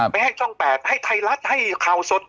ไปให้ช่อง๘ให้ไทยรัฐให้ข่าวสด